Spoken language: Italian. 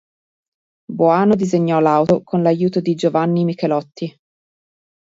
Boano disegnò l'auto con l'aiuto di Giovanni Michelotti.